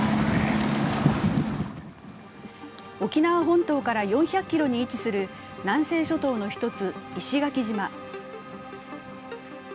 沖縄本島から４００ｋｍに位置する南西諸島の１つ、石垣島。